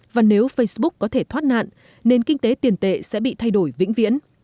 và nếu facebook có thể thoát nạn nền kinh tế tiền tệ sẽ bị thay đổi vĩnh viễn